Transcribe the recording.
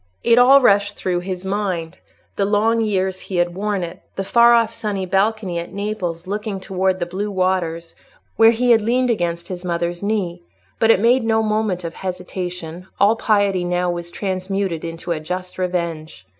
It all rushed through his mind—the long years he had worn it, the far off sunny balcony at Naples looking towards the blue waters, where he had leaned against his mother's knee; but it made no moment of hesitation: all piety now was transmuted into a just revenge.